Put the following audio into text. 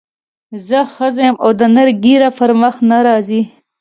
زه ښځه یم او د نر ږیره پر مخ نه راځي.